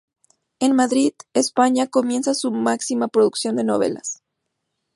En Madrid, España comienza su máxima producción de novelas.